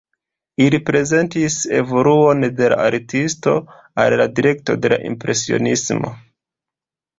Ili prezentis evoluon de la artisto al la direkto de impresionismo.